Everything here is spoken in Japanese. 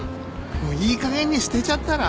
もういいかげんに捨てちゃったら？